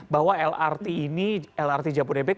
bahwa lrt ini lrt jambu debek